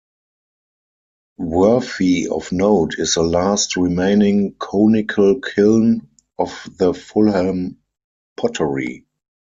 Worthy of note is the last remaining conical kiln of the Fulham Pottery.